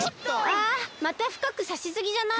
あまたふかくさしすぎじゃない？